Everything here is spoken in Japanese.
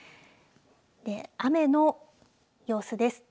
雨の様子です。